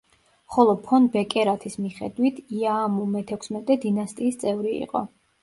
ხოლო ფონ ბეკერათის მიხედვით იაამუ მეთექვსმეტე დინასტიის წევრი იყო.